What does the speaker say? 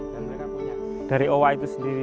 dan mereka punya dari owa itu sendiri